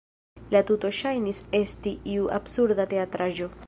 La tuto ŝajnis esti iu absurda teatraĵo.